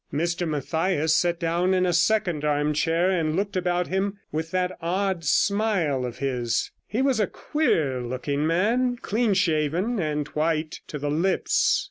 Mr Mathias sat down in a second armchair, and looked about him with that odd smile of his. He was a queer looking man, clean shaven, and white to the lips.